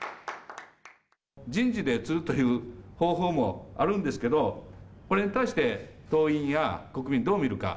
人事で釣るという方法もあるんですけど、これに対して、党員や国民、どう見るか。